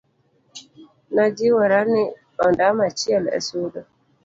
najiwora ni ondamo achiel e sudo